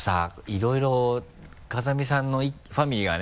いろいろ風見さんのファミリーがね